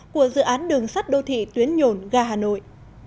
của dự án đường sắt đô thị tuyến nhổn ga hà nội